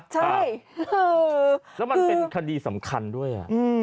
ใช่แล้วมันเป็นคดีสำคัญด้วย